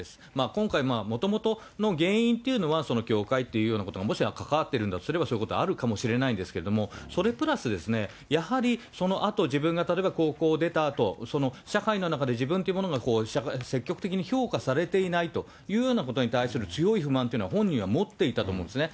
今回、もともとの原因というのは、教会というようなことが、もちろん関わっているんだとしたら、あるかもしれないんですけれども、それプラス、やはりそのあと自分が例えば高校出たあと、社会の中で自分というものが積極的に評価されていないというようなことに対する強い不満というのは、本人が持っていたと思うんですね。